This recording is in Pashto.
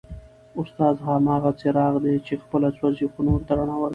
استاد هغه څراغ دی چي خپله سوځي خو نورو ته رڼا ورکوي.